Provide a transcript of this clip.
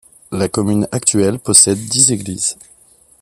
La commune actuelle possède dix églises.